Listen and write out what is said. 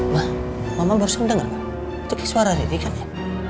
ma mama baru saja dengar suara riri kan ya